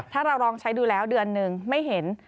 ถ้าเราลองใช้ดูแล้วเดือนหนึ่งไม่เห็น